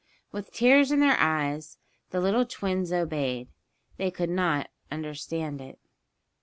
With tears in their eyes the little twins obeyed. They could not understand it.